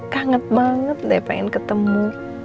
kangen banget deh pengen ketemu